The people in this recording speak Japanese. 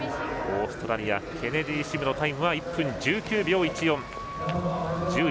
オーストラリアケネディシムのタイムは１分１９秒１４。